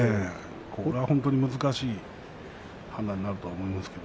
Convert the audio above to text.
これは本当に難しい判断になると思います。